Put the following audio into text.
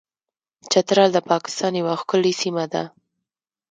چترال د پاکستان یوه ښکلې سیمه ده.